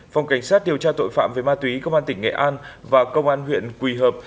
phòng cảnh sát điều tra tội phạm về ma túy công an tỉnh nghệ an và công an huyện quỳ hợp